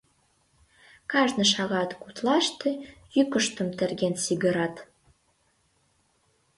Кажне шагат гутлаште йӱкыштым терген сигырат.